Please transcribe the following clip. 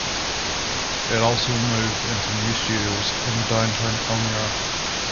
It also moved into new studios in Downtown Elmira.